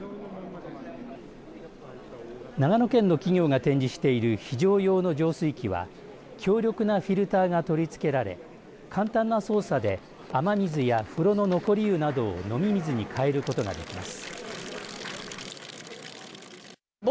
長野県の企業が展示している非常用の浄水器は強力なフィルターが取り付けられ簡単な操作で雨水や風呂の残り湯などを飲み水に変えることができます。